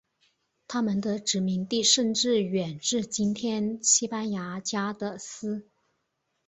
他们的殖民地甚至远至今天西班牙加的斯。